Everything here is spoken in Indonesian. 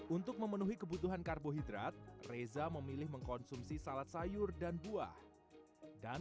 untuk memenuhi kebutuhan karbohidrat reza memilih mengkonsumsi salad sayur dan buah dan